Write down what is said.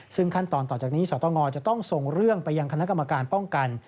ซึ่งขั้นตอนต่อจากนี้สตงจะต้องส่งเรื่องไปยังคณะกรรมการป้องกัน